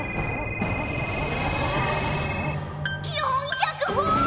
４００ほぉ！